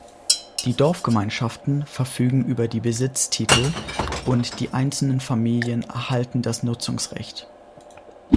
Die Dorfgemeinschaften verfügen über die Besitztitel und die einzelnen Familien erhalten das Nutzungsrecht.